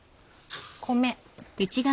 米。